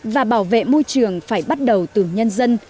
và bảo vệ môi trường phải bắt đầu từ nhân dân